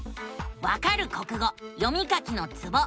「わかる国語読み書きのツボ」。